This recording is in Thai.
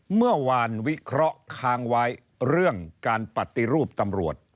เมื่อวานวิเคราะห์ค้างไว้เรื่องการปฏิรูปตำรวจ